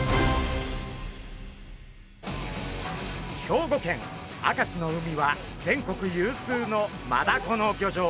兵庫県明石の海は全国有数のマダコの漁場。